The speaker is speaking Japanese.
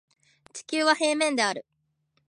地球は平面である